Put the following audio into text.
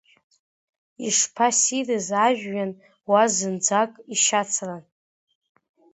Ишԥассирыз ажәҩан, уа зынӡак ишьацран.